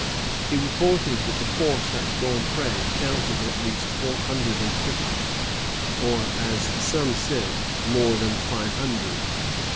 He reported that the force at Grand Pré counted at least four hundred and fifty, or, as some said, more than five hundred.